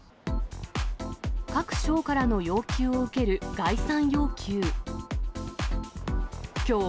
各省からの要求を受ける概算要求。